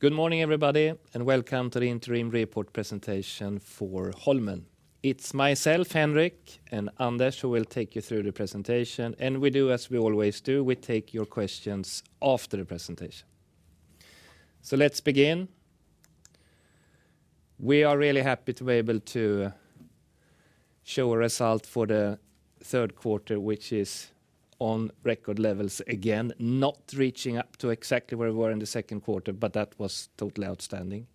Good morning, everybody, and welcome to the interim report presentation for Holmen. It's myself, Henrik, and Anders who will take you through the presentation. We do as we always do, we take your questions after the presentation. Let's begin. We are really happy to be able to show a result for the third quarter, which is on record levels again, not reaching up to exactly where we were in the second quarter, but that was totally outstanding.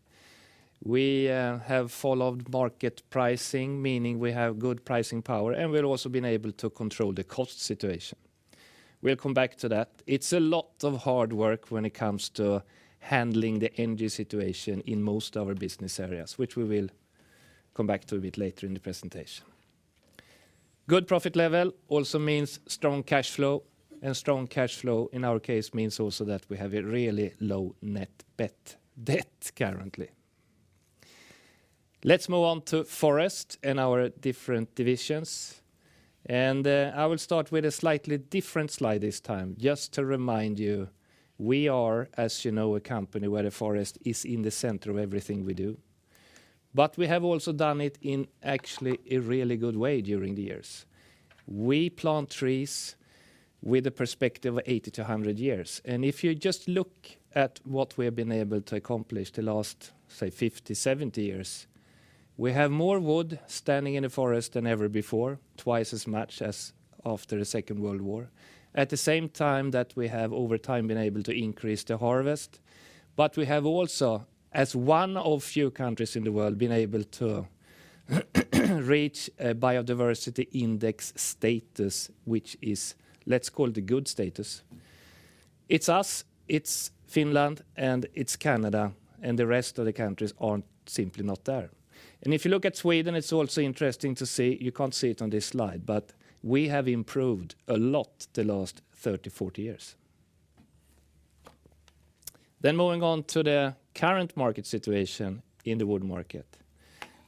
We have followed market pricing, meaning we have good pricing power, and we've also been able to control the cost situation. We'll come back to that. It's a lot of hard work when it comes to handling the energy situation in most of our business areas, which we will come back to a bit later in the presentation. Good profit level also means strong cash flow. Strong cash flow, in our case, means also that we have a really low net debt currently. Let's move on to forest and our different divisions. I will start with a slightly different slide this time, just to remind you, we are, as you know, a company where the forest is in the center of everything we do. We have also done it in actually a really good way during the years. We plant trees with a perspective of 80-100 years. If you just look at what we have been able to accomplish the last, say, 50, 70 years, we have more wood standing in a forest than ever before, twice as much as after the Second World War. At the same time that we have over time been able to increase the harvest. We have also, as one of few countries in the world, been able to reach a biodiversity index status, which is, let's call it a good status. It's us, it's Finland, and it's Canada, and the rest of the countries aren't simply not there. If you look at Sweden, it's also interesting to see, you can't see it on this slide, but we have improved a lot the last 30, 40 years. Moving on to the current market situation in the wood market.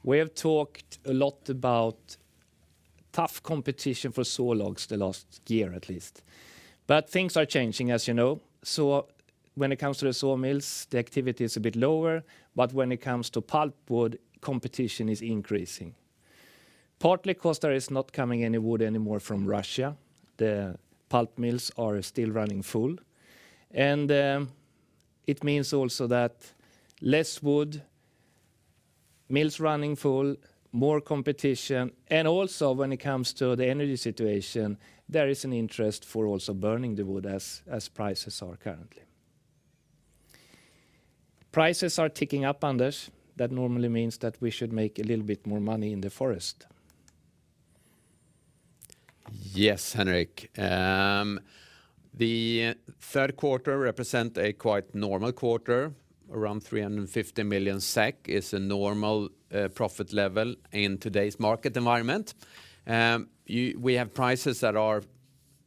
We have talked a lot about tough competition for sawlogs the last year at least. Things are changing, as you know. When it comes to the sawmills, the activity is a bit lower, but when it comes to pulpwood, competition is increasing. Partly because there is not coming any wood anymore from Russia. The pulp mills are still running full. It means also that less wood, mills running full, more competition, and also when it comes to the energy situation, there is an interest for also burning the wood as prices are currently. Prices are ticking up, Anders. That normally means that we should make a little bit more money in the forest. Yes, Henrik. The third quarter represent a quite normal quarter, around 350 million SEK is a normal profit level in today's market environment. We have prices that are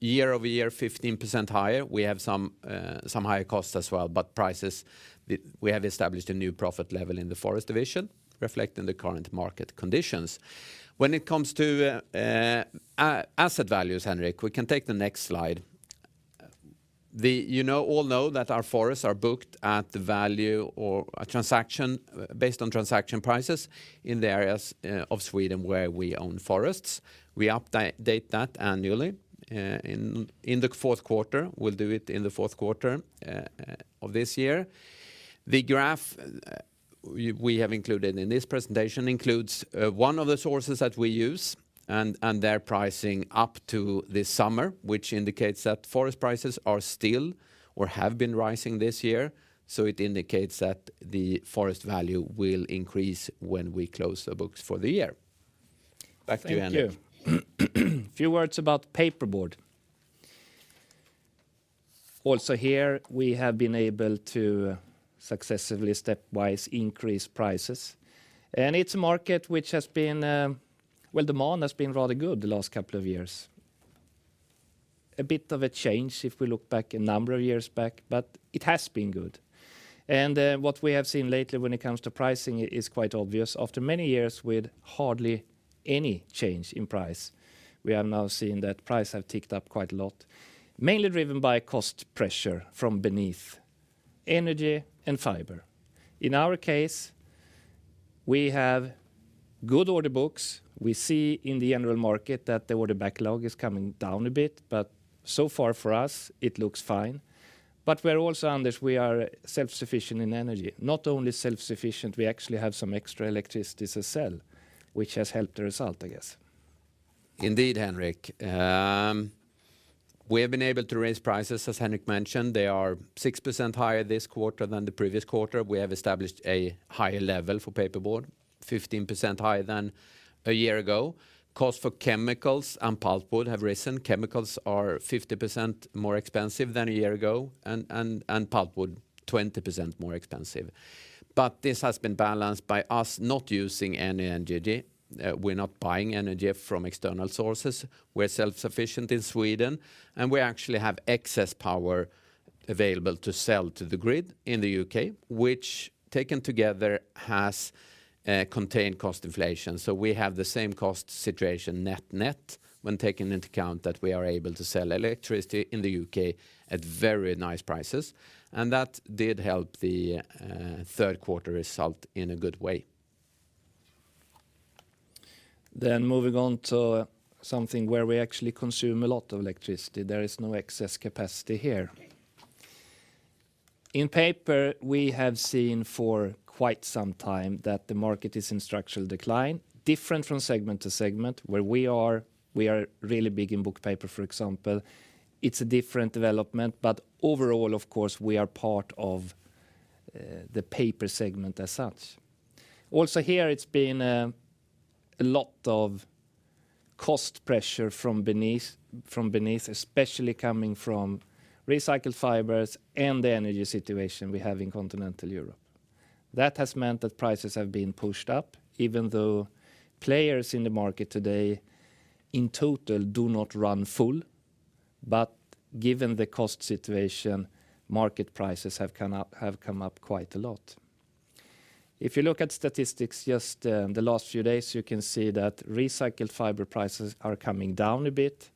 year-over-year 15% higher. We have some higher costs as well, but prices, we have established a new profit level in the forest division reflecting the current market conditions. When it comes to asset values, Henrik, we can take the next slide. You know, all know that our forests are booked at the value or a transaction based on transaction prices in the areas of Sweden where we own forests. We update that annually in the fourth quarter. We'll do it in the fourth quarter of this year. The graph we have included in this presentation includes one of the sources that we use and their pricing up to this summer, which indicates that forest prices are still or have been rising this year. It indicates that the forest value will increase when we close the books for the year. Back to you, Henrik. Thank you. A few words about Paperboard. Also here, we have been able to successively, stepwise increase prices. It's a market which has been well, demand has been rather good the last couple of years. A bit of a change if we look back a number of years back, but it has been good. What we have seen lately when it comes to pricing is quite obvious. After many years with hardly any change in price, we are now seeing that price have ticked up quite a lot, mainly driven by cost pressure from below energy and fiber. In our case, we have good order books. We see in the general market that the order backlog is coming down a bit, but so far for us, it looks fine. We're also, Anders, we are self-sufficient in energy. Not only self-sufficient, we actually have some extra electricity to sell, which has helped the result, I guess. Indeed, Henrik. We have been able to raise prices, as Henrik mentioned. They are 6% higher this quarter than the previous quarter. We have established a higher level for Paperboard, 15% higher than a year ago. Cost for chemicals and pulpwood have risen. Chemicals are 50% more expensive than a year ago, and pulpwood 20% more expensive. This has been balanced by us not using any energy. We're not buying energy from external sources. We're self-sufficient in Sweden, and we actually have excess power available to sell to the grid in the U.K., which taken together has contained cost inflation. We have the same cost situation net-net when taking into account that we are able to sell electricity in the U.K. at very nice prices. That did help the third quarter result in a good way. Moving on to something where we actually consume a lot of electricity, there is no excess capacity here. In Paper, we have seen for quite some time that the market is in structural decline, different from segment to segment. Where we are, we are really big in Book Paper, for example. It's a different development, but overall, of course, we are part of the Paper segment as such. Also here, it's been a lot of cost pressure from beneath, especially coming from recycled fibers and the energy situation we have in continental Europe. That has meant that prices have been pushed up, even though players in the market today, in total, do not run full. Given the cost situation, market prices have come up quite a lot. If you look at statistics just the last few days, you can see that recycled fiber prices are coming down a bit,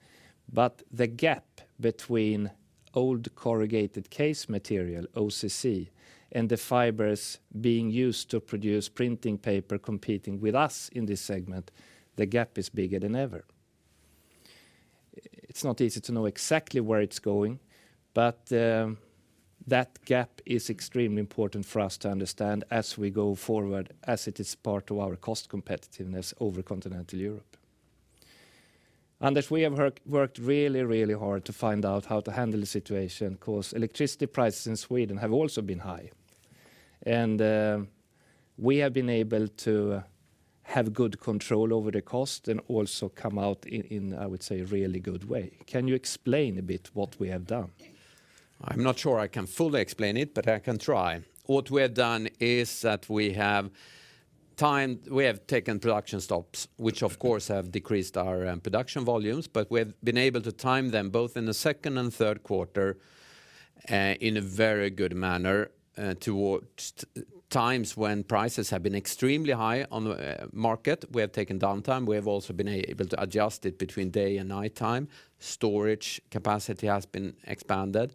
but the gap between old corrugated case material, OCC, and the fibers being used to produce printing paper competing with us in this segment, the gap is bigger than ever. It's not easy to know exactly where it's going, but that gap is extremely important for us to understand as we go forward, as it is part of our cost competitiveness over continental Europe. Anders, we have worked really, really hard to find out how to handle the situation 'cause electricity prices in Sweden have also been high. We have been able to have good control over the cost and also come out in, I would say, a really good way. Can you explain a bit what we have done? I'm not sure I can fully explain it, but I can try. What we have done is that we have taken production stops, which of course have decreased our production volumes, but we have been able to time them both in the second and third quarter in a very good manner towards times when prices have been extremely high on the market. We have taken downtime. We have also been able to adjust it between day and nighttime. Storage capacity has been expanded,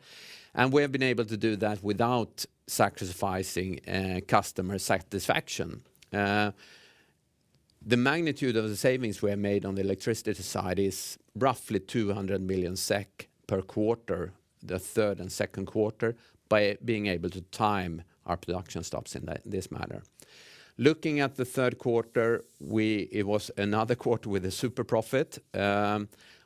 and we have been able to do that without sacrificing customer satisfaction. The magnitude of the savings we have made on the electricity side is roughly 200 million SEK per quarter, the third and second quarter, by being able to time our production stops in this manner. Looking at the third quarter, it was another quarter with a super profit.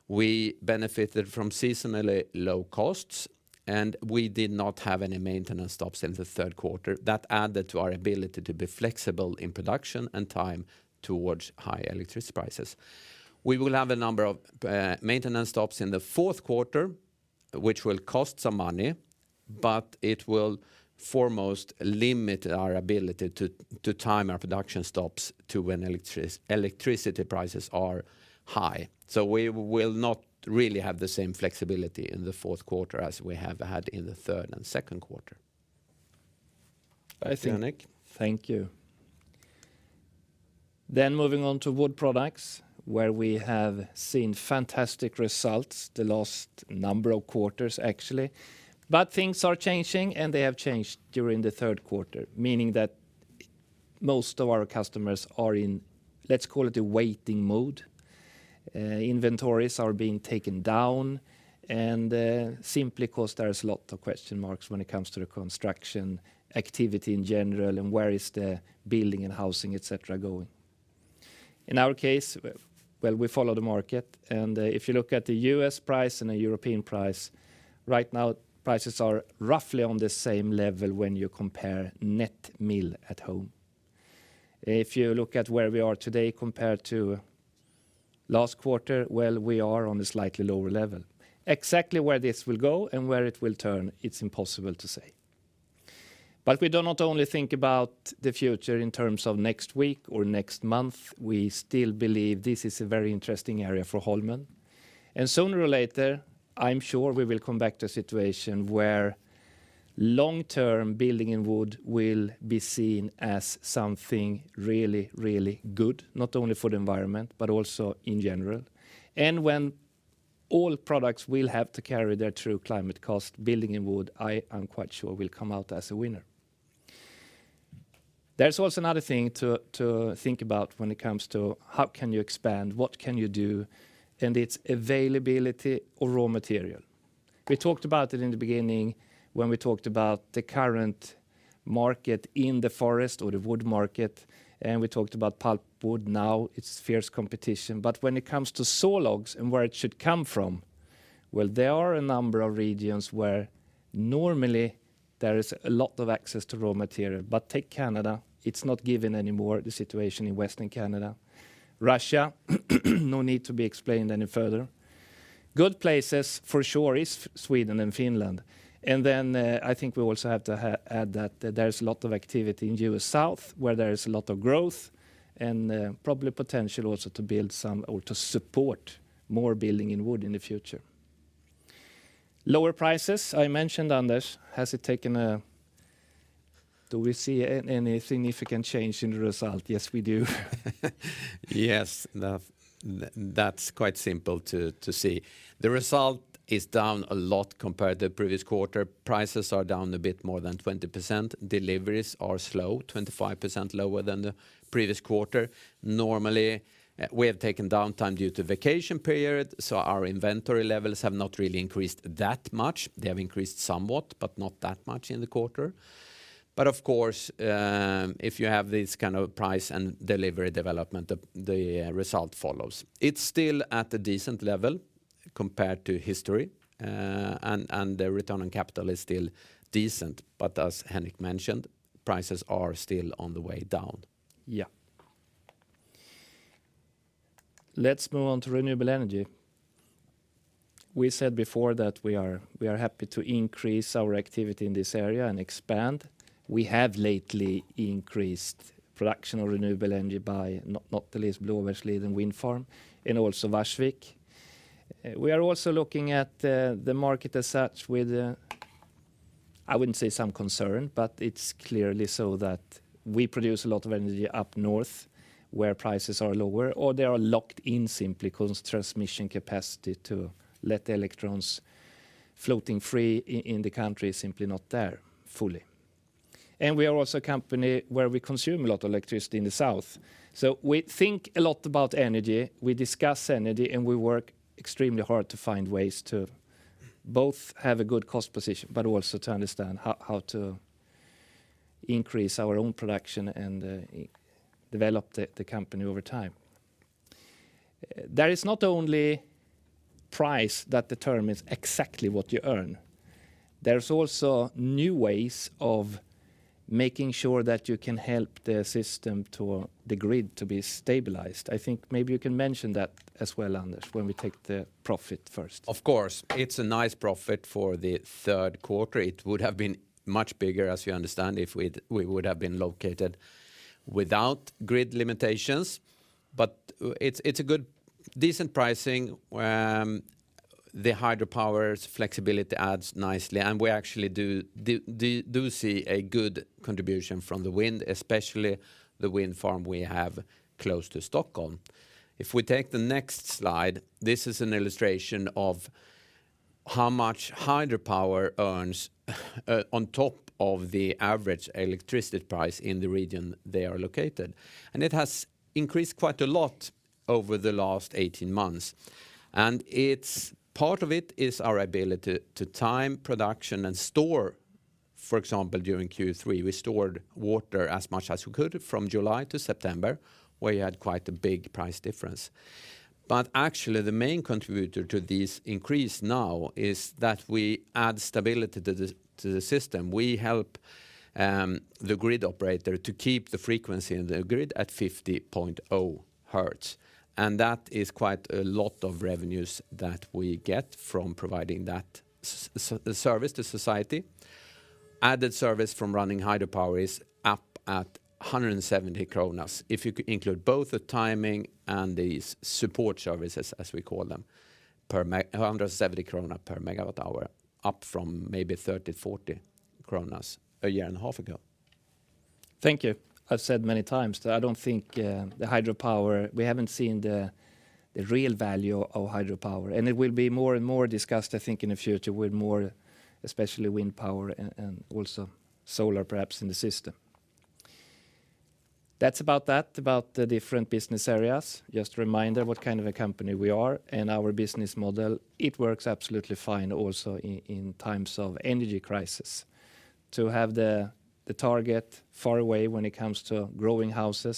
We benefited from seasonally low costs, and we did not have any maintenance stops in the third quarter. That added to our ability to be flexible in production and time towards high electricity prices. We will have a number of maintenance stops in the fourth quarter, which will cost some money, but it will foremost limit our ability to time our production stops to when electricity prices are high. We will not really have the same flexibility in the fourth quarter as we have had in the third and second quarter I think. Henrik. Thank you. Moving on to wood products, where we have seen fantastic results the last number of quarters actually. Things are changing, and they have changed during the third quarter, meaning that most of our customers are in, let's call it a waiting mode. Inventories are being taken down, and simply 'cause there's a lot of question marks when it comes to the construction activity in general and where is the building and housing, etc., going. In our case, well, we follow the market, and if you look at the U.S. price and the European price, right now prices are roughly on the same level when you compare net mill at home. If you look at where we are today compared to last quarter, well, we are on a slightly lower level. Exactly where this will go and where it will turn, it's impossible to say. We do not only think about the future in terms of next week or next month. We still believe this is a very interesting area for Holmen. Sooner or later, I'm sure we will come back to a situation where long-term building in wood will be seen as something really, really good, not only for the environment, but also in general. When all products will have to carry their true climate cost, building in wood, I am quite sure, will come out as a winner. There's also another thing to think about when it comes to how can you expand, what can you do, and its availability of raw material. We talked about it in the beginning when we talked about the current market in the forest or the wood market, and we talked about pulpwood now. It's fierce competition. When it comes to sawlogs and where it should come from, well, there are a number of regions where normally there is a lot of access to raw material. Take Canada, it's not given anymore, the situation in western Canada. Russia, no need to be explained any further. Good places for sure is Sweden and Finland. Then, I think we also have to add that there's a lot of activity in U.S. South, where there is a lot of growth and, probably potential also to build some or to support more building in wood in the future. Lower prices, I mentioned, Anders. Has it taken a Do we see any significant change in the result? Yes, we do. Yes, that's quite simple to see. The result is down a lot compared to previous quarter. Prices are down a bit more than 20%. Deliveries are slow, 25% lower than the previous quarter. Normally, we have taken downtime due to vacation period, so our inventory levels have not really increased that much. They have increased somewhat, but not that much in the quarter. Of course, if you have this kind of price and delivery development, the result follows. It's still at a decent level compared to history. The return on capital is still decent, but as Henrik mentioned, prices are still on the way down. Yeah. Let's move on to renewable energy. We said before that we are happy to increase our activity in this area and expand. We have lately increased production of renewable energy by Nottjärn, Blåbergsliden Wind Farm, and also Varsvik. We are also looking at the market as such with, I wouldn't say some concern, but it's clearly so that we produce a lot of energy up north where prices are lower or they are locked in simply because transmission capacity to let electrons floating free in the country is simply not there fully. We are also a company where we consume a lot of electricity in the south. We think a lot about energy, we discuss energy, and we work extremely hard to find ways to both have a good cost position, but also to understand how to increase our own production and develop the company over time. There is not only price that determines exactly what you earn. There's also new ways of making sure that you can help the system to the grid to be stabilized. I think maybe you can mention that as well, Anders, when we take the profit first. Of course. It's a nice profit for the third quarter. It would have been much bigger, as you understand, if we would have been located without grid limitations. But it's a good, decent pricing where the hydropower's flexibility adds nicely, and we actually do see a good contribution from the wind, especially the wind farm we have close to Stockholm. If we take the next slide, this is an illustration of how much hydropower earns on top of the average electricity price in the region they are located. It has increased quite a lot over the last 18 months. Part of it is our ability to time production and store. For example, during Q3, we stored water as much as we could from July to September, where you had quite a big price difference. Actually, the main contributor to this increase now is that we add stability to the system. We help the grid operator to keep the frequency in the grid at 50.0 hertz, and that is quite a lot of revenues that we get from providing that service to society. Added service from running hydropower is up at 170 kronor. If you include both the timing and the support services, as we call them, per MWh, 170 krona perMWh, up from maybe 30- 40 kronor a year and a half ago. Thank you. I've said many times we haven't seen the real value of hydropower, and it will be more and more discussed, I think, in the future with more especially wind power and also solar perhaps in the system. That's about the different business areas. Just a reminder what kind of a company we are and our business model. It works absolutely fine also in times of energy crisis to have the target far away when it comes to growing wood,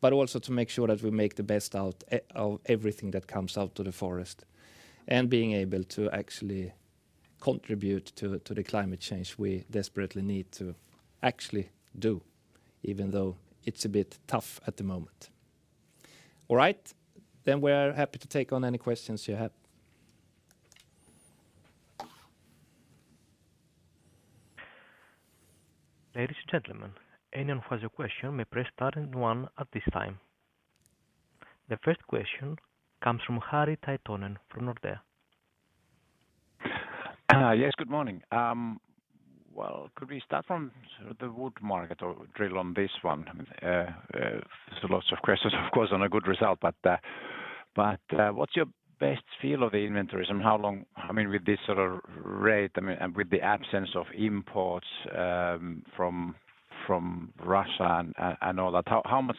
but also to make sure that we make the best out of everything that comes out of the forest, and being able to actually contribute to the climate change we desperately need to actually do, even though it's a bit tough at the moment. All right. We are happy to take on any questions you have. Ladies and gentlemen, anyone who has a question may press star and one at this time. The first question comes from Harri Taittonen from Nordea. Yes, good morning. Well, could we start from the wood market or drill on this one? There's lots of questions, of course, on a good result, but what's your best feel of the inventories? I mean, with this sort of rate, I mean, and with the absence of imports from Russia and all that, how much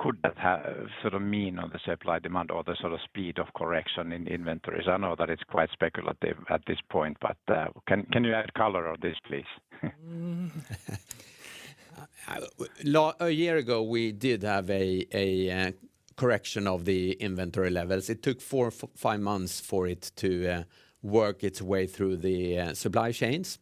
could that sort of mean on the supply-demand or the sort of speed of correction in inventories? I know that it's quite speculative at this point, but can you add color on this, please? A year ago, we did have a correction of the inventory levels. It took 4-5 months for it to work its way through the supply chains.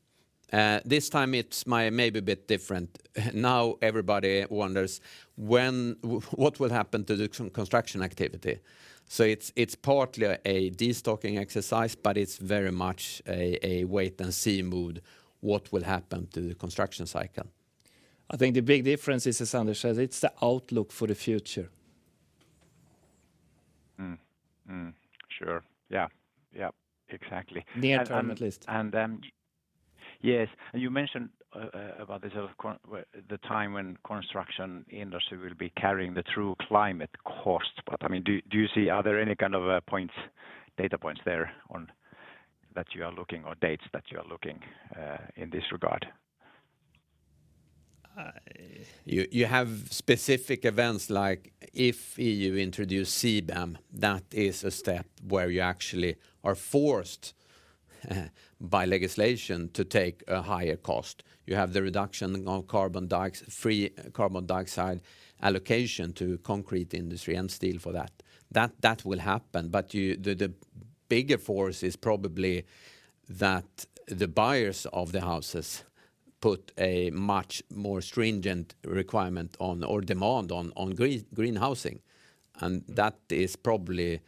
This time it's maybe a bit different. Now everybody wonders what will happen to the construction activity. It's partly a destocking exercise, but it's very much a wait and see mood what will happen to the construction cycle. I think the big difference is, as Anders says, it's the outlook for the future. Sure. Yeah, yeah, exactly. Near term at least. Yes, and you mentioned about the time when construction industry will be carrying the true climate costs. I mean, do you see? Are there any kind of points, data points there on that you are looking or dates that you are looking in this regard? You have specific events like if EU introduce CBAM, that is a step where you actually are forced by legislation to take a higher cost. You have the reduction of free carbon dioxide allocation to concrete industry and steel for that. That will happen, but the bigger force is probably that the buyers of the houses put a much more stringent requirement on or demand on green housing, and that is probably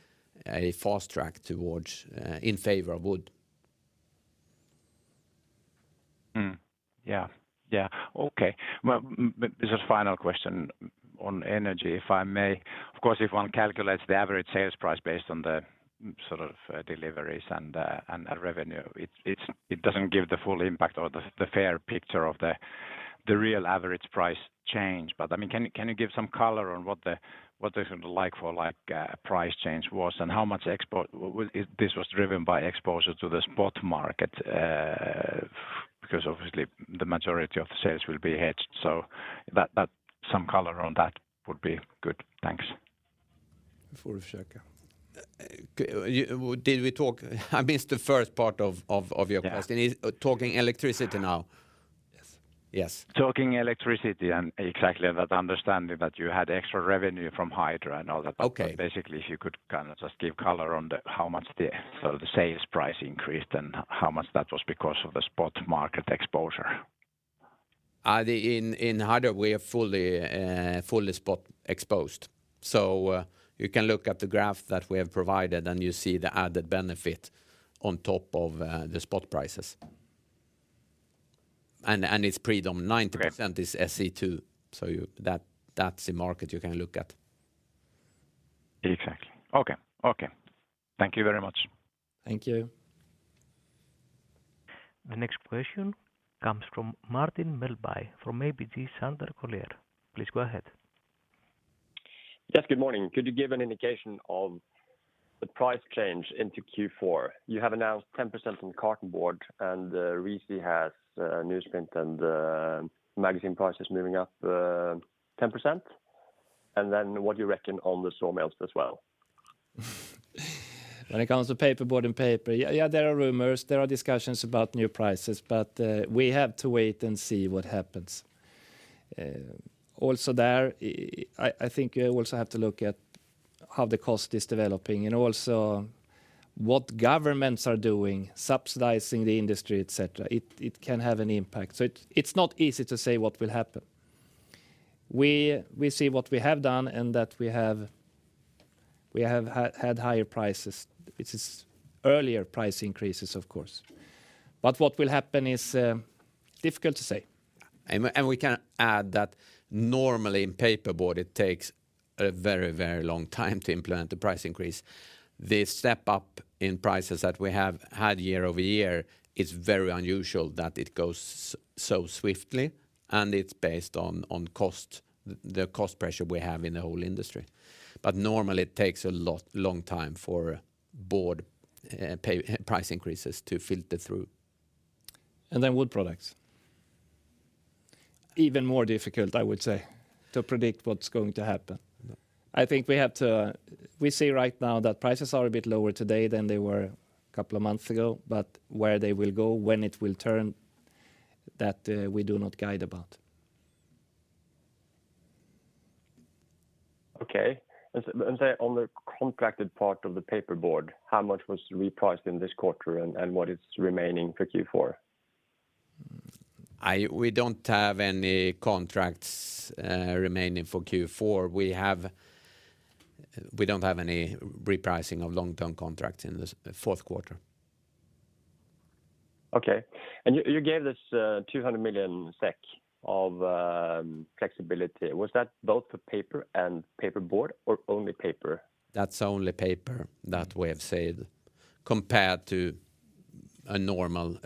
a fast track towards in favor of wood. Just final question on energy, if I may. Of course, if one calculates the average sales price based on the sort of deliveries and revenue, it doesn't give the full impact or the fair picture of the real average price change. I mean, can you give some color on what the sort of like for like price change was and how much export will if this was driven by exposure to the spot market? Because obviously the majority of the sales will be hedged. Some color on that would be good. Thanks. [Försäkra]. Did we talk? I missed the first part of your question. Yeah. Talking electricity now? Yes. Yes. Talking electricity and exactly that understanding that you had extra revenue from hydro and all that. Okay. Basically if you could kind of just give color on how much the, sort of, the sales price increased and how much that was because of the spot market exposure. In hydro, we are fully spot exposed. You can look at the graph that we have provided, and you see the added benefit on top of the spot prices. It's predom- Okay. 90% is SE2, so that's the market you can look at. Exactly. Okay. Thank you very much. Thank you. The next question comes from Martin Melbye from ABG Sundal Collier. Please go ahead. Yes, good morning. Could you give an indication of the price change into Q4? You have announced 10% on carton board, and RISI has newsprint and magazine prices moving up 10%. What do you reckon on the sawmills as well? When it comes to Paperboard and Paper, yeah, there are rumors, there are discussions about new prices, but we have to wait and see what happens. Also there, I think you also have to look at how the cost is developing and also what governments are doing, subsidizing the industry, et cetera. It can have an impact. It's not easy to say what will happen. We see what we have done and that we have had higher prices, which is earlier price increases, of course. What will happen is difficult to say. We can add that normally in Paperboard it takes a very, very long time to implement the price increase. The step up in prices that we have had year-over-year is very unusual that it goes so swiftly, and it's based on cost, the cost pressure we have in the whole industry. Normally it takes a lot longer time for Paperboard price increases to filter through. Wood products. Even more difficult, I would say, to predict what's going to happen. I think we see right now that prices are a bit lower today than they were a couple of months ago, but where they will go, when it will turn, that, we do not guide about. Say on the contracted part of the Paperboard, how much was repriced in this quarter and what is remaining for Q4? We don't have any contracts remaining for Q4. We don't have any repricing of long-term contracts in this, the fourth quarter. Okay. You gave this 200 million SEK of flexibility. Was that both for Paper and Paperboard or only Paper? That's only Paper that we have saved compared to a normal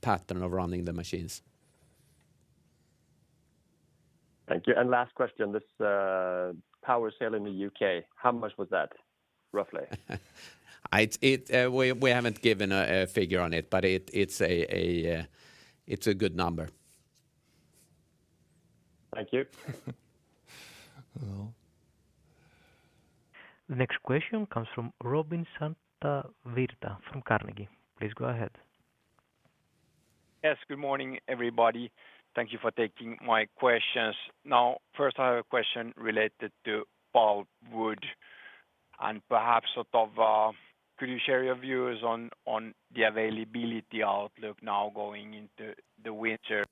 pattern of running the machines. Thank you. Last question, this power sale in the U.K., how much was that roughly? We haven't given a figure on it, but it's a good number. Thank you. The next question comes from Robin Santavirta from Carnegie. Please go ahead. Yes, good morning, everybody. Thank you for taking my questions. Now, first I have a question related to pulpwood and perhaps sort of could you share your views on the availability outlook now going into the winter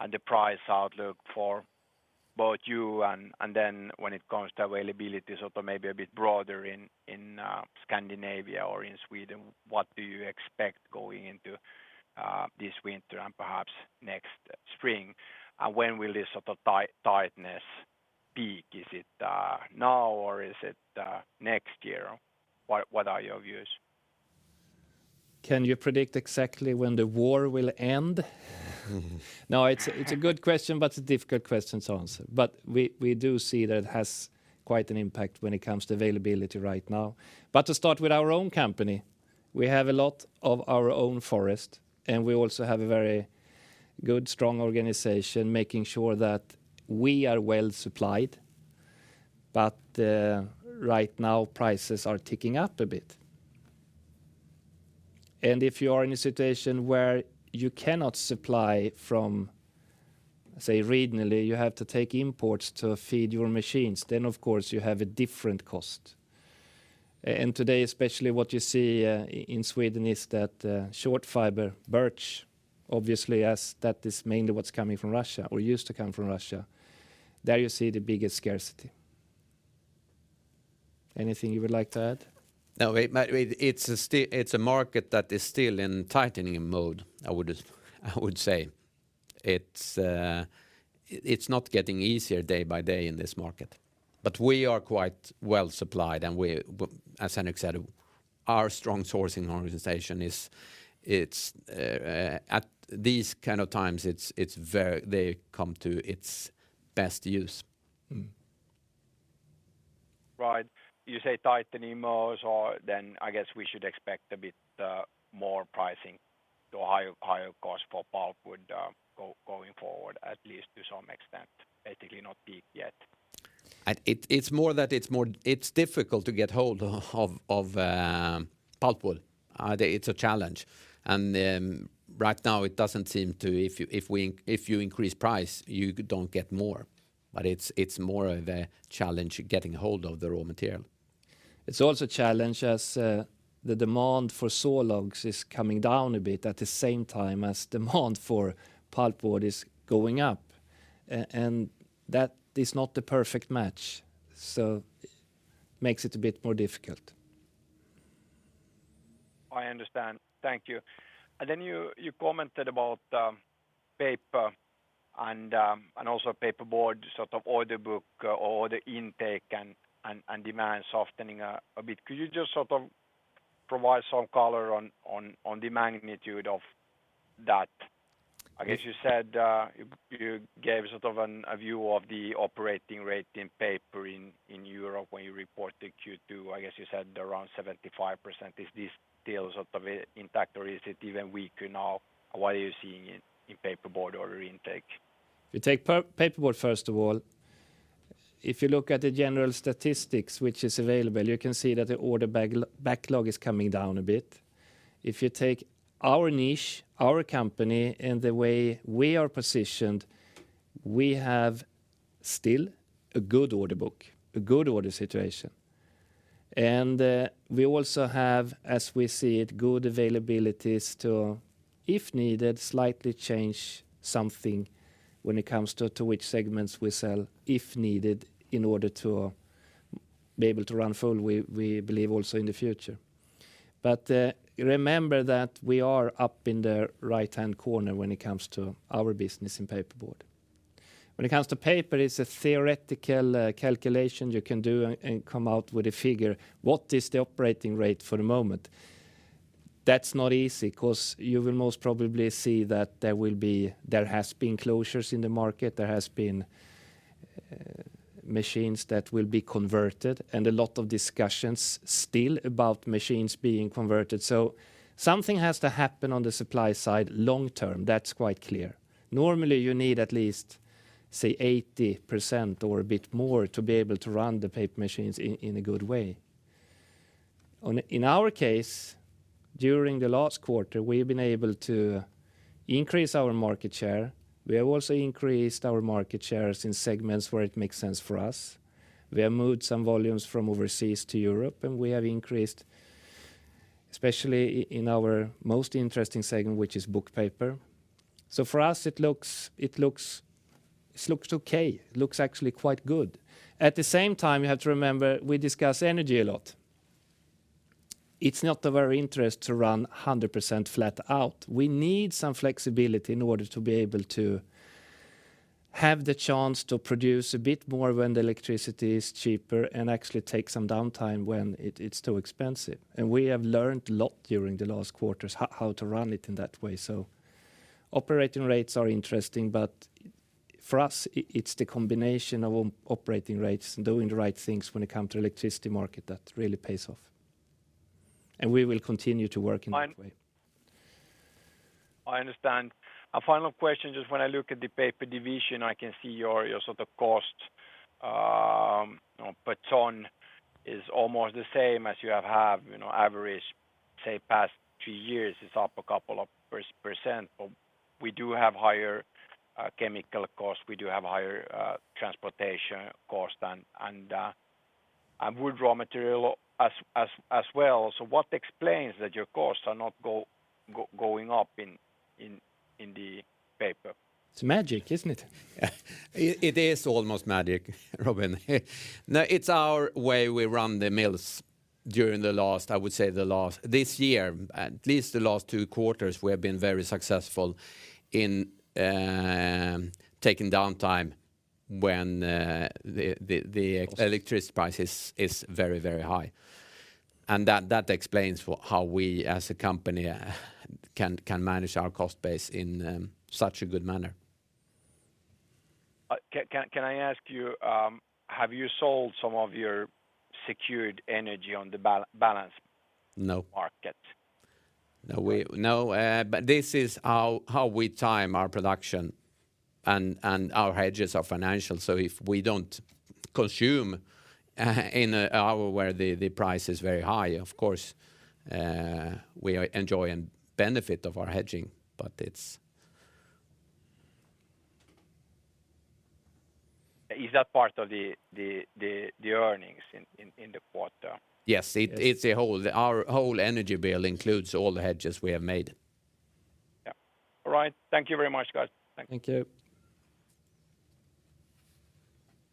and the price outlook for both you and then when it comes to availability sort of maybe a bit broader in Scandinavia or in Sweden, what do you expect going into this winter and perhaps next spring. When will this sort of tightness peak? Is it now or is it next year? What are your views? Can you predict exactly when the war will end? No, it's a good question, but it's a difficult question to answer. We do see that it has quite an impact when it comes to availability right now. To start with our own company, we have a lot of our own forest, and we also have a very good, strong organization, making sure that we are well-supplied. Right now, prices are ticking up a bit. If you are in a situation where you cannot supply from, say, regionally, you have to take imports to feed your machines, then of course you have a different cost. Today especially what you see in Sweden is that short fiber birch, obviously as that is mainly what's coming from Russia or used to come from Russia, there you see the biggest scarcity. Anything you would like to add? It's a market that is still in tightening mode, I would say. It's not getting easier day by day in this market. We are quite well-supplied, and as Henrik said, our strong sourcing organization is at these kind of times, it's where they come to its best use. Mm. Right. You say tightening modes or then I guess we should expect a bit more pricing to higher cost for pulp would go forward, at least to some extent, basically not peak yet. It's difficult to get hold of pulpwood. It's a challenge. Right now it doesn't seem to. If you increase price, you don't get more. It's more of a challenge getting a hold of the raw material. It's also a challenge as the demand for sawlogs is coming down a bit at the same time as demand for pulpwood is going up. That is not the perfect match, so makes it a bit more difficult. I I understand. Thank you. Then you commented about Paper and also Paperboard sort of order book or order intake and demand softening a bit. Could you just sort of provide some color on the magnitude of that? I guess you said you gave sort of a view of the operating rate in Paper in Europe when you reported Q2. I guess you said around 75%. Is this still sort of intact or is it even weaker now? What are you seeing in Paperboard order intake? If you take Paperboard, first of all, if you look at the general statistics which is available, you can see that the order backlog is coming down a bit. If you take our niche, our company, and the way we are positioned, we have still a good order book, a good order situation. We also have, as we see it, good availabilities to, if needed, slightly change something when it comes to which segments we sell, if needed, in order to be able to run full. We believe also in the future. Remember that we are up in the right-hand corner when it comes to our business in Paperboard. When it comes to Paper, it's a theoretical calculation you can do and come out with a figure. What is the operating rate for the moment? That's not easy, 'cause you will most probably see that there has been closures in the market, there has been machines that will be converted, and a lot of discussions still about machines being converted. Something has to happen on the supply side long term, that's quite clear. Normally, you need at least, say, 80% or a bit more to be able to run the paper machines in a good way. In our case, during the last quarter, we've been able to increase our market share. We have also increased our market shares in segments where it makes sense for us. We have moved some volumes from overseas to Europe, and we have increased, especially in our most interesting segment, which is Book Paper. For us, it looks okay. It looks actually quite good. At the same time, you have to remember, we discuss energy a lot. It's not of our interest to run 100% flat out. We need some flexibility in order to be able to have the chance to produce a bit more when the electricity is cheaper and actually take some downtime when it's too expensive. We have learned a lot during the last quarters how to run it in that way. Operating rates are interesting, but for us, it's the combination of operating rates and doing the right things when it comes to electricity market that really pays off. We will continue to work in that way. I understand. A final question, just when I look at the Paper division, I can see your sort of cost per ton is almost the same as you have, you know, average, say, past two years is up a couple of percent. But we do have higher chemical cost, we do have higher transportation cost, and wood raw material as as well. What explains that your costs are not going up in the Paper? It's magic, isn't it? It is almost magic, Robin. No, it's our way we run the mills. During this year, at least the last two quarters, we have been very successful in taking downtime when the electricity price is very, very high. That explains how we as a company can manage our cost base in such a good manner. Can I ask you, have you sold some of your secured energy on the balance? No, market? No, but this is how we time our production and our hedges are financial. If we don't consume in an hour where the price is very high, of course, we are enjoying benefit of our hedging. Is that part of the earnings in the quarter? Yes. Our whole energy bill includes all the hedges we have made. Yeah. All right. Thank you very much, guys. Thank you.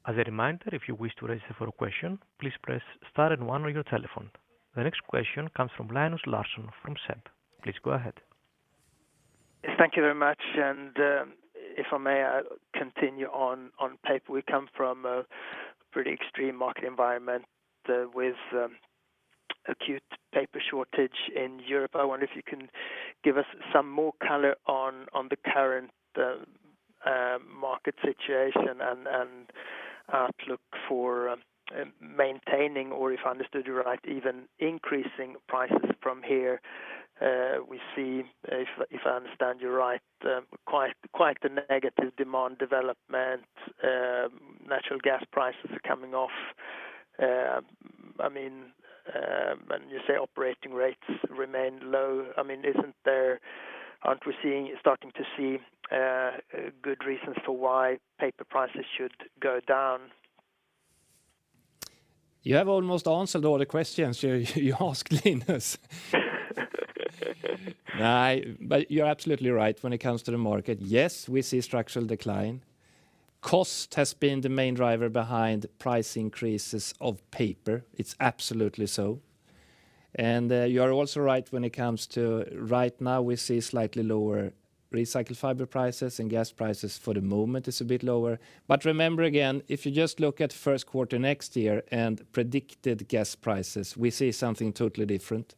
Thank you. As a reminder, if you wish to raise a further question, please press star and one on your telephone. The next question comes from Linus Larsson from SEB. Please go ahead. Thank you very much. If I may, I'll continue on Paper. We come from a pretty extreme market environment with acute paper shortage in Europe. I wonder if you can give us some more color on the current market situation and outlook for maintaining or, if I understood you right, even increasing prices from here. We see, if I understand you right, quite a negative demand development. Natural gas prices are coming off. I mean, when you say operating rates remain low, I mean, aren't we starting to see good reasons for why paper prices should go as we have had in Q3.? You have almost answered all the questions you asked, Linus. Nah. You're absolutely right when it comes to the market. Yes, we see structural decline. Cost has been the main driver behind price increases of Paper. It's absolutely so. You are also right when it comes to right now we see slightly lower recycled fiber prices and gas prices for the moment is a bit lower. Remember, again, if you just look at first quarter next year and predicted gas prices, we see something totally different.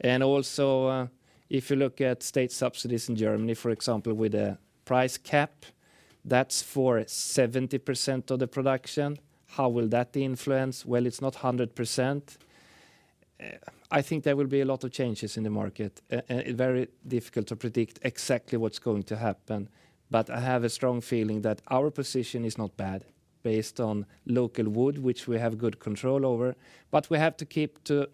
If you look at state subsidies in Germany, for example, with a price cap, that's for 70% of the production. How will that influence? Well, it's not 100%. I think there will be a lot of changes in the market. Very difficult to predict exactly what's going to happen, but I have a strong feeling that our position is not bad based on local wood, which we have good control over. We have to keep to,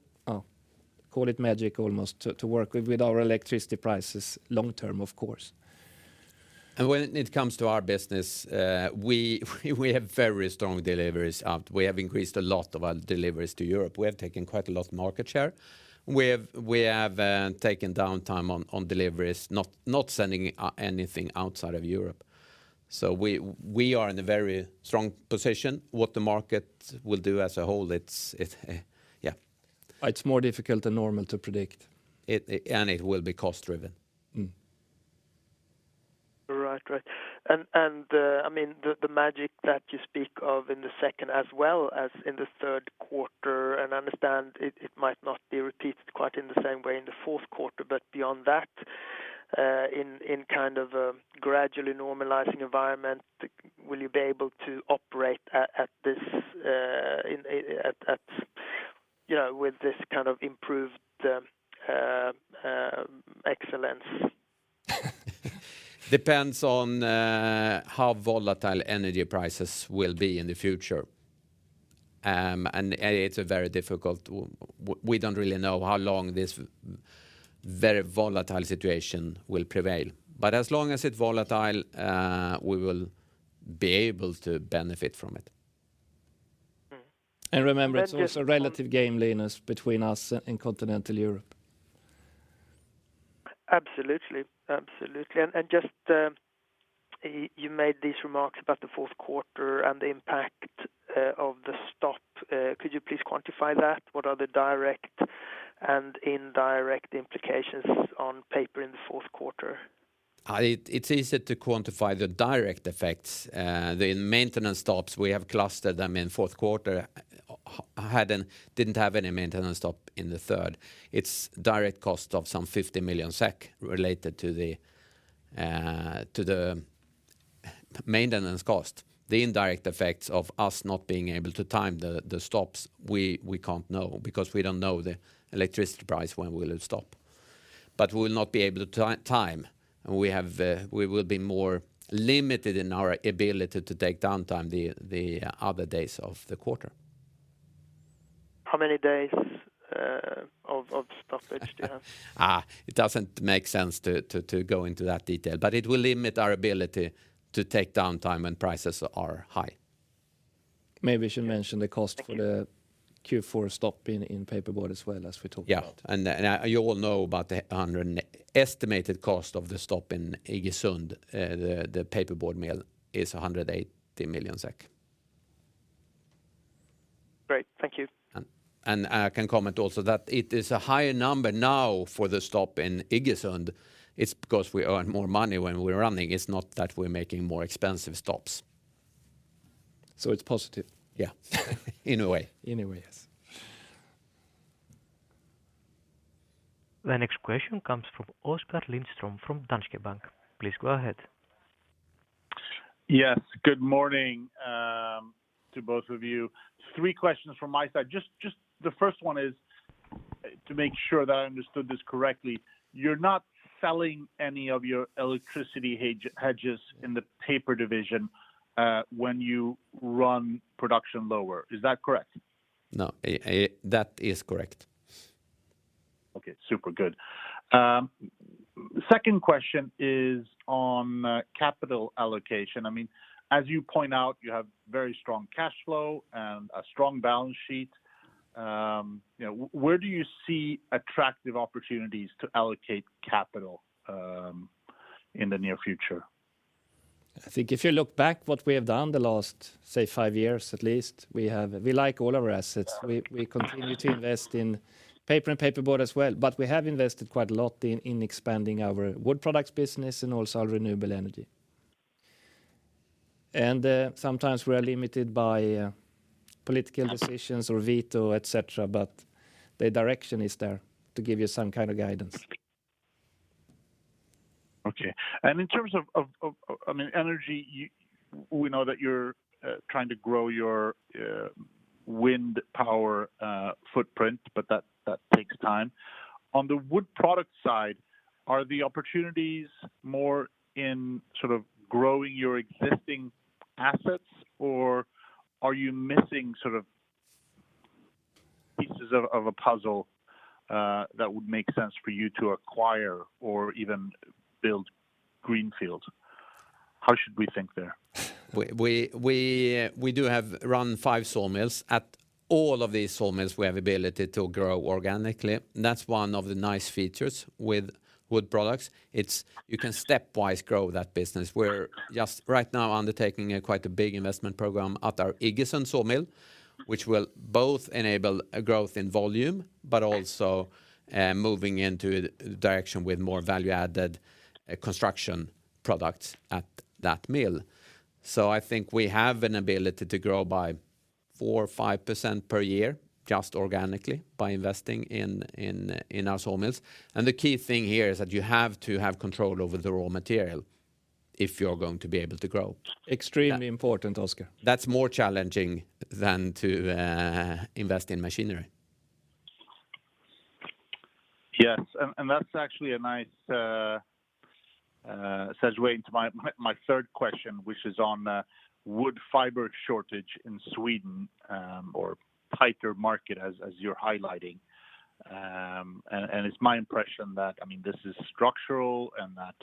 call it magic almost, to work with our electricity prices long term, of course. When it comes to our business, we have very strong deliveries out. We have increased a lot of our deliveries to Europe. We have taken quite a lot of market share. We have taken downtime on deliveries, not sending anything outside of Europe. We are in a very strong position. What the market will do as a whole, it's it. Yeah. It's more difficult than normal to predict. It will be cost-driven. Mm. Right. I mean, the magic that you speak of in the second as well as in the third quarter, and I understand it might not be repeated quite in the same way in the fourth quarter, but beyond that, in kind of a gradually normalizing environment, will you be able to operate at this, you know, with this kind of improved excellence? Depends on how volatile energy prices will be in the future. We don't really know how long this very volatile situation will prevail. As long as it's volatile, we will be able to benefit from it. Mm. Remember, it's also relative game, Linus, between us and continental Europe. Absolutely. Just, you made these remarks about the fourth quarter and the impact of the stop. Could you please quantify that? What are the direct and indirect implications on Paper in the fourth quarter? It's easier to quantify the direct effects. The maintenance stops, we have clustered them in fourth quarter. Didn't have any maintenance stop in the third. It's direct cost of some 50 million SEK related to the maintenance cost. The indirect effects of us not being able to time the stops, we can't know because we don't know the electricity price when we will stop. We will not be able to time, and we will be more limited in our ability to take downtime the other days of the quarter. How many days of stoppage do you have? It doesn't make sense to go into that detail, but it will limit our ability to take downtime when prices are high. Maybe I should mention the cost for the Q4 stop in Paperboard as well as we talk about. You all know about the estimated cost of the stop in Iggesund. The Paperboard mill is 180 million SEK. Great. Thank you. I can comment also that it is a higher number now for the stop in Iggesund. It's because we earn more money when we're running. It's not that we're making more expensive stops. It's positive. Yeah. In a way. In a way, yes. The next question comes from Oskar Lindström from Danske Bank. Please go ahead. Yes. Good morning to both of you. Three questions from my side. Just the first one is to make sure that I understood this correctly. You're not selling any of your electricity hedges in the Paper division when you run production lower. Is that correct? No. That is correct. Okay. Super good. Second question is on capital allocation. I mean, as you point out, you have very strong cash flow and a strong balance sheet. You know, where do you see attractive opportunities to allocate capital, in the near future? I think if you look back what we have done the last, say, five years at least, we like all of our assets. We continue to invest in Paper and Paperboard as well, but we have invested quite a lot in expanding our wood products business and also our renewable energy. Sometimes we are limited by political decisions or veto, etc., but the direction is there to give you some kind of guidance. Okay. In terms of, I mean, energy, we know that you're trying to grow your wind power footprint, but that takes time. On the wood product side, are the opportunities more in sort of growing your existing assets, or are you missing sort of pieces of a puzzle that would make sense for you to acquire or even build greenfield? How should we think there? We do have around five sawmills. At all of these sawmills, we have ability to grow organically. That's one of the nice features with wood products. It's you can stepwise grow that business. We're just right now undertaking quite a big investment program at our Iggesund sawmill, which will both enable a growth in volume, but also, moving into direction with more value-added construction products at that mill. I think we have an ability to grow by 4% or 5% per year just organically by investing in our sawmills. The key thing here is that you have to have control over the raw material if you're going to be able to grow. Extremely important, Oskar. That's more challenging than to invest in machinery. Yes. That's actually a nice segue into my third question, which is on wood fiber shortage in Sweden, or tighter market as you're highlighting. It's my impression that, I mean, this is structural and that,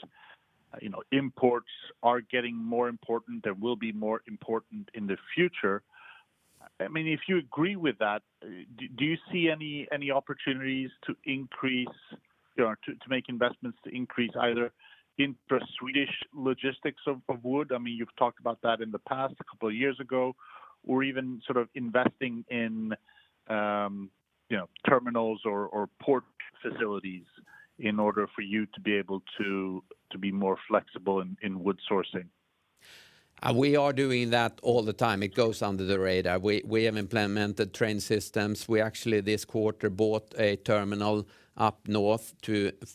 you know, imports are getting more important and will be more important in the future. I mean, if you agree with that, do you see any opportunities to increase you know, to make investments to increase either intra-Swedish logistics of wood? I mean, you've talked about that in the past, a couple of years ago. Even sort of investing in you know, terminals or port facilities in order for you to be able to be more flexible in wood sourcing. We are doing that all the time. It goes under the radar. We have implemented train systems. We actually this quarter bought a terminal up north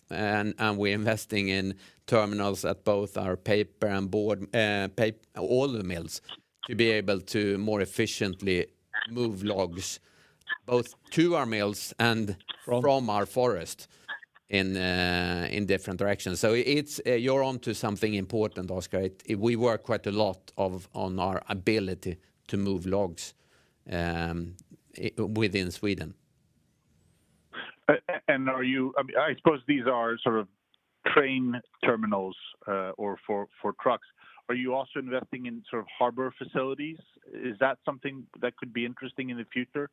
and we're investing in terminals at both our Paper and Board all the mills to be able to more efficiently move logs both to our mills and from our forest in different directions. You're onto something important, Oskar. We work quite a lot on our ability to move logs within Sweden. I suppose these are sort of train terminals or for trucks. Are you also investing in sort of harbor facilities? Is that something that could be interesting in the future?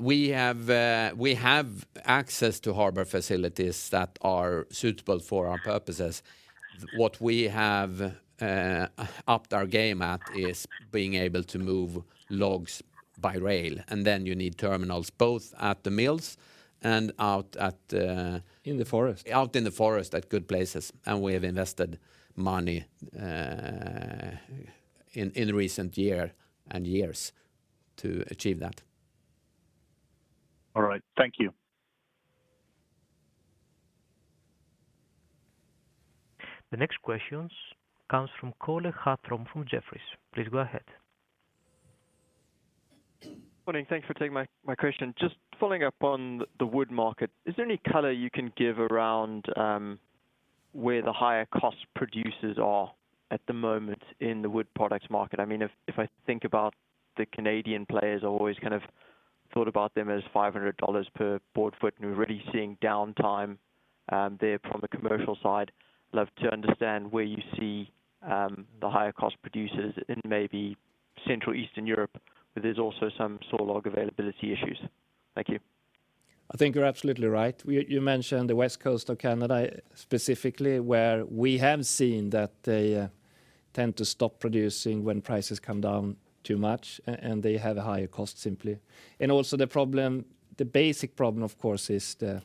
We have access to harbor facilities that are suitable for our purposes. What we have upped our game at is being able to move logs by rail, and then you need terminals both at the mills and out at. In the forest. Out in the forest at good places. We have invested money in recent year and years to achieve that. All right. Thank you. The next question comes from Cole Hathorn from Jefferies. Please go ahead. Morning. Thanks for taking my question. Just following up on the wood market. Is there any color you can give around where the higher cost producers are at the moment in the wood products market? I mean, if I think about the Canadian players, I've always kind of thought about them as SEK 500 per board foot, and we're really seeing downtime there from the commercial side. Love to understand where you see the higher cost producers in maybe Central Eastern Europe, where there's also some saw log availability issues. Thank you. I think you're absolutely right. You mentioned the West Coast of Canada specifically, where we have seen that they tend to stop producing when prices come down too much and they have a higher cost simply. Also, the basic problem, of course, is the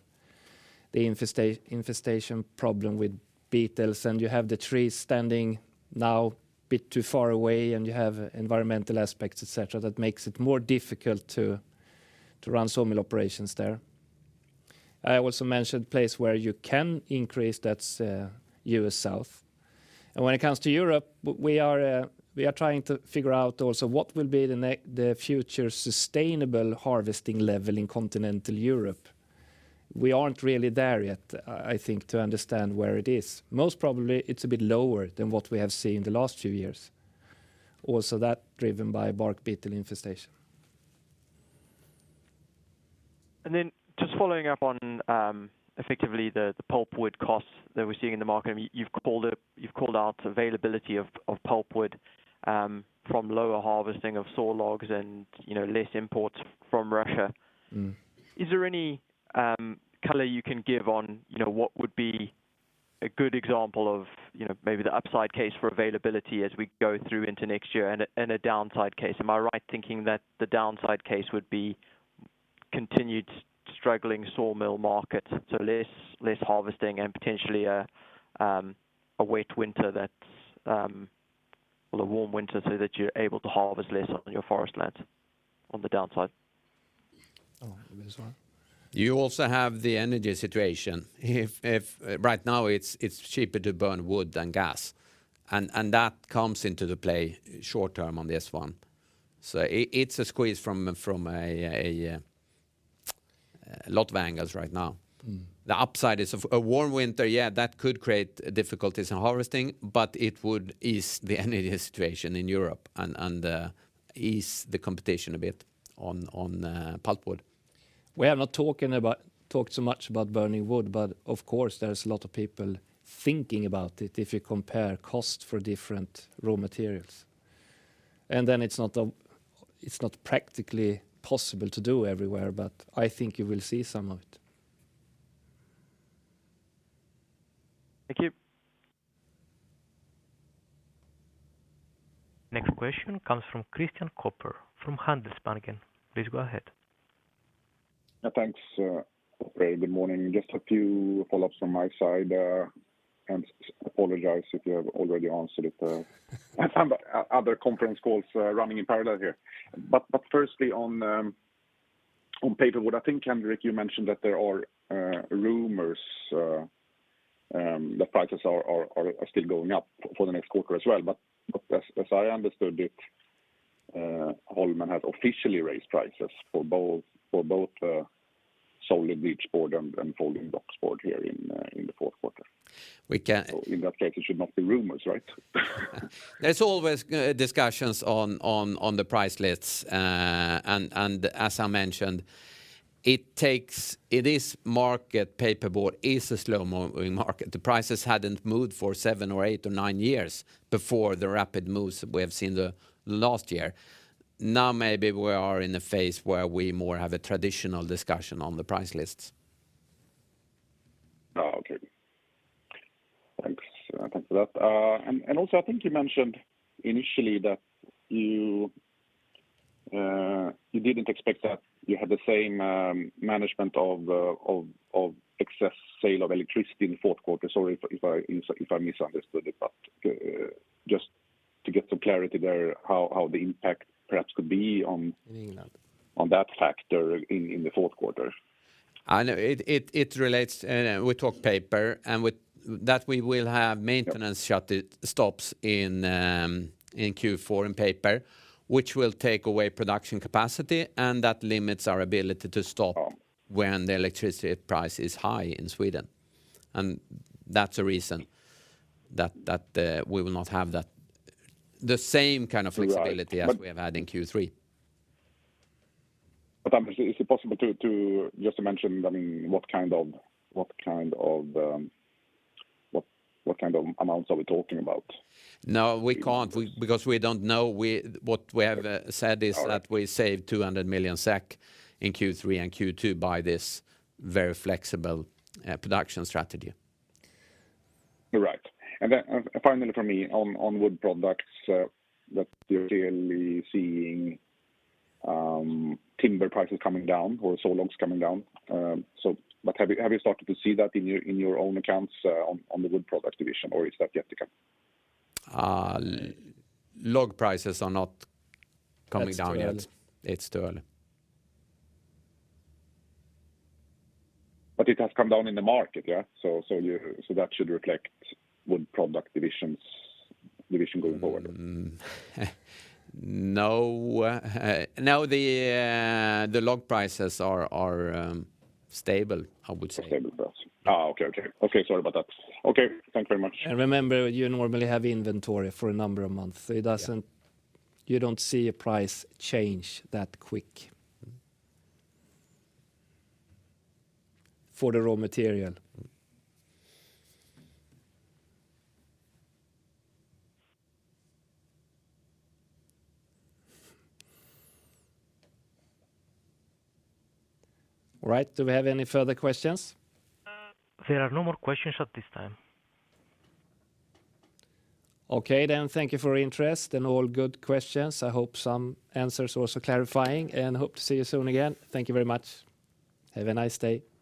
infestation problem with beetles, and you have the trees standing now a bit too far away, and you have environmental aspects, etc., that makes it more difficult to run sawmill operations there. I also mentioned place where you can increase, that's U.S. South. When it comes to Europe, we are trying to figure out also what will be the future sustainable harvesting level in continental Europe. We aren't really there yet, I think, to understand where it is. Most probably it's a bit lower than what we have seen the last few years. Also that's driven by bark beetle infestation. Just following up on effectively the pulpwood costs that we're seeing in the market. I mean, you've called out availability of pulpwood from lower harvesting of saw logs and, you know, less imports from Russia. Mm-hmm. Is there any color you can give on, you know, what would be a good example of, you know, maybe the upside case for availability as we go through into next year and a downside case? Am I right thinking that the downside case would be continued struggling sawmill markets, so less harvesting and potentially a warm winter so that you're able to harvest less on your forest land on the downside? You also have the energy situation. If right now it's cheaper to burn wood than gas, and that comes into play short term on this one. It's a squeeze from a lot of angles right now. Mm-hmm. The upside is of a warm winter. Yeah, that could create difficulties in harvesting, but it would ease the energy situation in Europe and ease the competition a bit on pulpwood. We have talked so much about burning wood, but of course, there's a lot of people thinking about it if you compare cost for different raw materials. It's not practically possible to do everywhere, but I think you will see some of it. Thank you. Next question comes from Christian Kopfer from Handelsbanken. Please go ahead. Yeah, thanks. Good morning. Just a few follow-ups from my side. Apologize if you have already answered it. I have other conference calls running in parallel here. Firstly on Paper, what I think, Henrik, you mentioned that there are rumors the prices are still going up for the next quarter as well. As I understood it, Holmen have officially raised prices for both solid bleached board and folding boxboard here in the fourth quarter. We can. In that case, it should not be rumors, right? There's always discussions on the price lists. As I mentioned, the Paperboard market is a slow-moving market. The prices hadn't moved for seven or eight or nine years before the rapid moves we have seen the last year. Now, maybe we are in a phase where we now have a traditional discussion on the price lists. Oh, okay. Thanks. Thanks for that. Also I think you mentioned initially that you didn't expect that you had the same magnitude of excess sales of electricity in the fourth quarter. Sorry if I misunderstood it, but just to get some clarity there, how the impact perhaps could be on that factor in the fourth quarter. I know. It relates, we talk Paper and with that we will have maintenance shutdowns in Q4 in Paper, which will take away production capacity, and that limits our ability to stop. When the electricity price is high in Sweden. That's a reason that we will not have that, the same kind of flexibility as we have had in Q3. Right. Obviously, is it possible to just mention, I mean, what kind of amounts are we talking about? No, we can't. Because we don't know. What we have said is that we saved 200 million SEK in Q3 and Q2 by this very flexible production strategy. Right. Finally from me on wood products that you're really seeing timber prices coming down or saw logs coming down. Have you started to see that in your own accounts on the wood product division, or is that yet to come? Log prices are not coming down yet. It's too early. It has come down in the market, yeah? That should reflect wood product division going forward. No, the log prices are stable, I would say. Stable price. Oh, okay. Sorry about that. Okay. Thank you very much. Remember, you normally have inventory for a number of months, so it doesn't. Yeah. You don't see a price change that quick for the raw material. All right. Do we have any further questions? There are no more questions at this time. Okay. Thank you for your interest and all good questions. I hope some answers also clarifying, and hope to see you soon again. Thank you very much. Have a nice day.